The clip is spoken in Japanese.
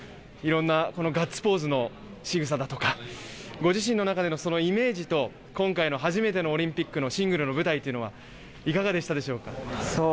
いろんな、ガッツポーズのしぐさだとかご自身の中で、イメージと今回の初めてのオリンピックのシングルの舞台というのはいかがでしたか？